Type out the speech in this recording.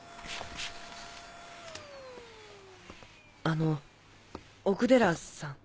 あの奥寺さん。